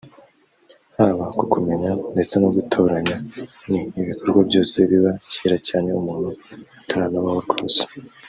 haba kukumenya ndetse no kugutoranya ni ibikorwa byose biba kera cyane umuntu ataranabaho rwose